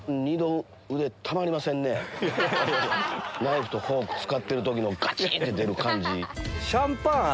ナイフとフォーク使ってる時のガチン！って出る感じ。